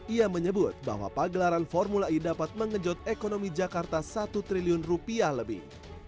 ia menyebut bahwa pagelaran formula e dapat mengejot ekonomi jakarta rp satu triliun lebih